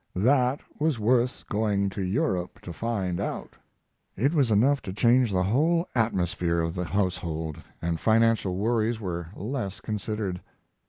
That was worth going to Europe to find out. It was enough to change the whole atmosphere of the household, and financial worries were less considered.